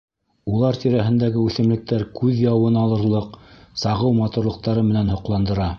Улар тирәһендәге үҫемлектәр күҙ яуын алырлыҡ сағыу матурлыҡтары менән һоҡландыра.